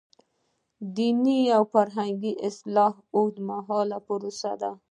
د دیني فرهنګ اصلاح اوږدمهاله پروسه ده.